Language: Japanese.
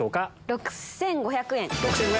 ６５００円。